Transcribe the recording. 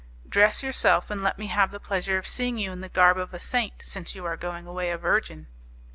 "Dress yourself, and let me have the pleasure of seeing you in the garb of a saint, since you are going away a virgin."